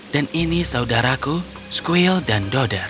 dan ini saudaraku squill dan dodder